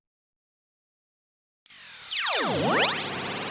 แบบอากาศ